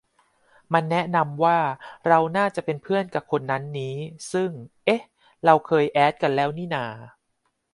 มันแนะนำว่าเราน่าจะเป็นเพื่อนกะคนนั้นนี้ ซึ่ง เอ๊ะ เคยแอดกันแล้วนี่นา